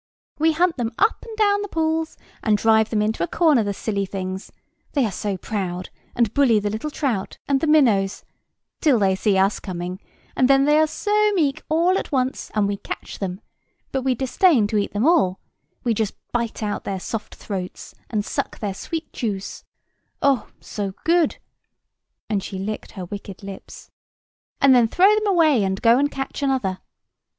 "We hunt them up and down the pools, and drive them up into a corner, the silly things; they are so proud, and bully the little trout, and the minnows, till they see us coming, and then they are so meek all at once, and we catch them, but we disdain to eat them all; we just bite out their soft throats and suck their sweet juice—Oh, so good!"—(and she licked her wicked lips)—"and then throw them away, and go and catch another.